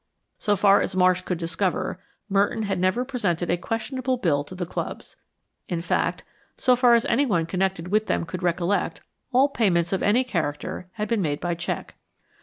So far as Marsh could discover, Merton had never presented a questionable bill to the clubs. In fact, so far as anyone connected with them could recollect, all payments of any character had been made by check.